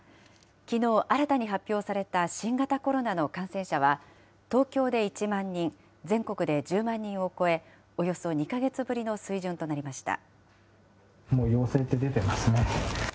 きのう、新たに発表された新型コロナの感染者は、東京で１万人、全国で１０万人を超え、およそ２か月ぶりの水準となりました。